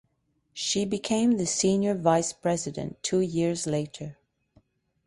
She became the senior vice president two years later.